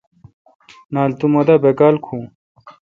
نال تو مہ دا باکال کھو۔